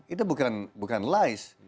itu bukan lies